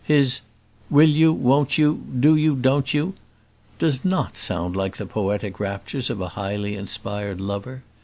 His "will you, won't you do you, don't you?" does not sound like the poetic raptures of a highly inspired lover.